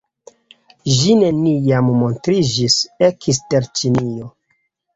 Ĝi neniam montriĝis ekster Ĉinio.